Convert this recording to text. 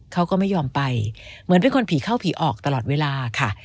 เขาก็ไม่ยอมไปเหมือนเป็นคนผีเข้าผีออกตลอดเวลาค่ะ